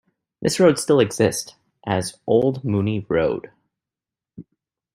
This road still exists as Old Moonie Road.